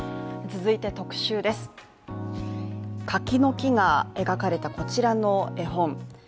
続いて特集です、柿の木が描かれたこちらの絵本。